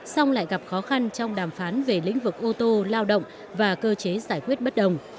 song lại gặp khó khăn trong đàm phán về lĩnh vực ô tô lao động và cơ chế giải quyết bất đồng